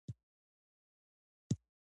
مجرم به له پورته څخه لاندې راګوزار کېده.